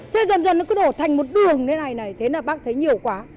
thế dần dần nó cứ đổ thành một đường thế này này thế là bác thấy nhiều quá